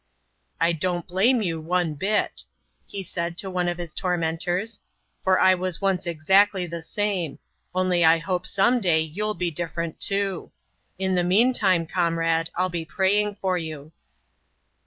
"I don't blame you one bit," he said to one of his tormentors, "for I was once exactly the same only I hope some day you'll be different too. In the meantime, comrade, I'll be praying for you."